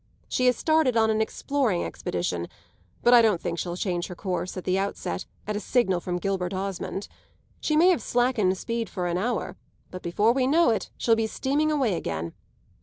She has started on an exploring expedition, and I don't think she'll change her course, at the outset, at a signal from Gilbert Osmond. She may have slackened speed for an hour, but before we know it she'll be steaming away again.